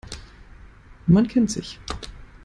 Man kennt sich.